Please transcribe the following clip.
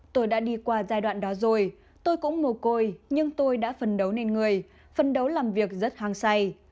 tôi đã đi qua giai đoạn đó rồi tôi cũng mồ côi nhưng tôi đã phân đấu nên người phân đấu làm việc rất hang say